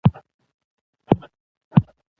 په ډېر ښه شکل سره په